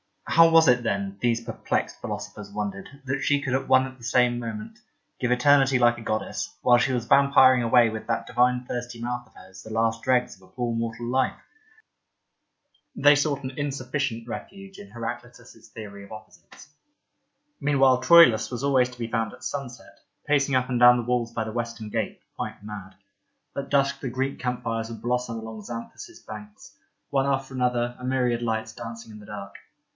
How was it then, these perplexed philosophers wondered, that she could at one and the same moment give eternity like a goddess, while she was vampiring away with that divine thirsty mouth of hers the last dregs of a poor mortal Hfe .? They sought an insufficient refuge in Heraclitus' theory of opposites. 48 Leda Meanwhile Troilus was always to be found at sunset, pacing up and down the walls by the western gate — quite mad. At dusk the Greek camp fires would blossom along Xanthus banks — one after another, a myriad lights dancing in the dark.